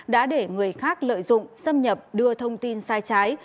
đã để người khác lợi dụng xâm nhập đưa thông tin sai trái